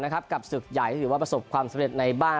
กับศึกใหญ่ที่ถือว่าประสบความสำเร็จในบ้าน